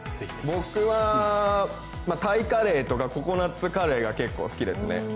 僕はタイカレーとかココナツカレーが結構好きですね。